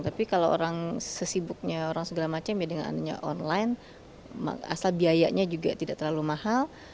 tapi kalau orang sesibuknya orang segala macam ya dengan adanya online asal biayanya juga tidak terlalu mahal